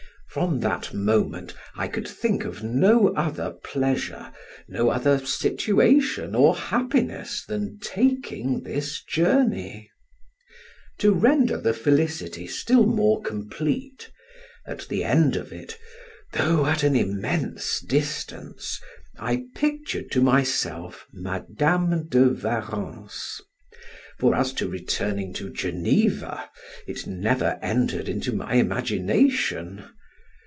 From that moment I could think of no other pleasure, no other situation or happiness than taking this journey. To render the felicity still more complete, at the end of it (though at an immense distance) I pictured to myself Madam de Warrens; for as to returning to Geneva, it never entered into my imagination.